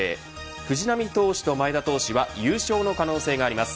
藤浪投手と前田投手は優勝の可能性があります。